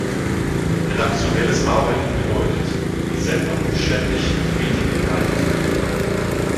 Redaktionelles Arbeiten bedeutet, die Sendungen ständig mit Medieninhalten zu beliefern.